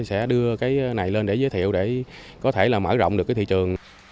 sẽ đưa cái này lên để giới thiệu để có thể là mở rộng được cái thị trường